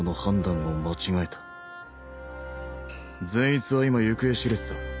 善逸は今行方知れずだ。